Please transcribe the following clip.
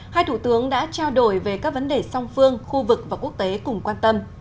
hai thủ tướng đã trao đổi về các vấn đề song phương khu vực và quốc tế cùng quan tâm